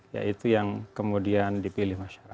ya itu yang kemudian dipilih masyarakat